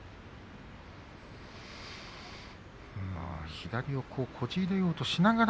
左をこじ入れようとしながら